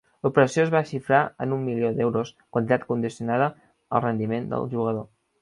L'operació es va xifrar en un milió d'euros, quantitat condicionada al rendiment del jugador.